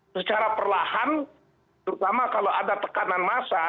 secara perlahan terutama kalau ada tekanan massa